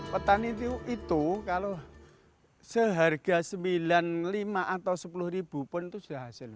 petani itu kalau seharga rp sembilan puluh lima atau sepuluh pun itu sudah hasil